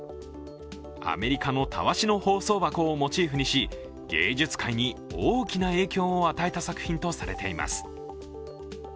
アメリカのたわしの包装箱をモチーフにし、芸術界に大きな影響を与えた作品とされています。